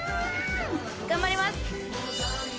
頑張ります。